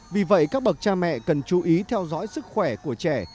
vì vậy các bậc cha mẹ cần chú ý theo dõi sức khỏe của trẻ